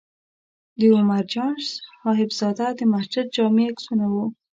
د عمر جان صاحبزاده د مسجد جامع عکسونه و.